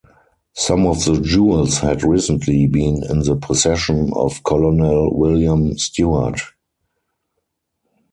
Some of the jewels had recently been in the possession of Colonel William Stewart.